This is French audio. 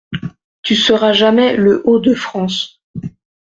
Tu seras jamais Le-Haut-de-France.